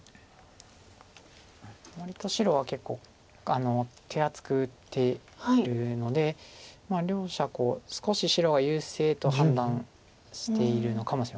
割と白は結構手厚く打ってるので両者少し白が優勢と判断しているのかもしれません。